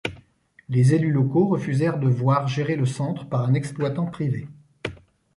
Les élus locaux refusèrent de voir gérer le centre par un exploitant privé.